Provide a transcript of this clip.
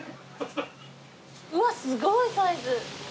うわすごいサイズ。